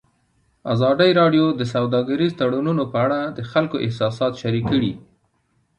ازادي راډیو د سوداګریز تړونونه په اړه د خلکو احساسات شریک کړي.